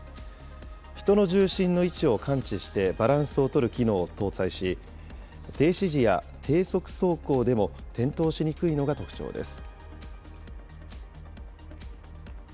人の重心の位置を感知してバランスを取る機能を搭載し、停止時や低速走行でも転倒しにくいのが特徴です。